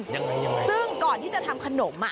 ยังไงยังไงซึ่งก่อนที่จะทำขนมอ่ะ